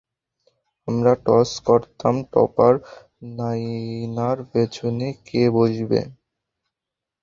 আমরা টস করতাম টপার নায়নার পিছনে কে বসবে।